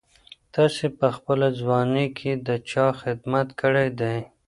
تاسي په خپله ځواني کي د چا خدمت کړی دی؟